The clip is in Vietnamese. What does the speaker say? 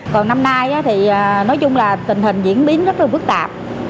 còn năm nay thì nói chung là tình hình diễn biến rất là phức tạp